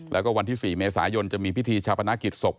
แล้วก็วันที่๔เมษายนจะมีพิธีชาปนกิจศพ